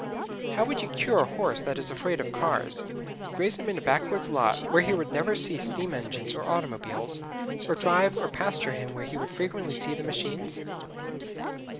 How would you cure a horse that is afraid of cars graze him in a back woods lot where he would never see steam engines or automobiles, or drive or pasture him where he would frequently see the machines?